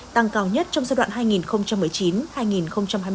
tăng cao nhất trong giai đoạn hai nghìn một mươi chín hai nghìn hai mươi